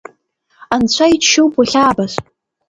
Анцәа иџьшьоуп уахьаабаз!